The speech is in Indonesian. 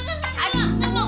enggak enggak enggak enggak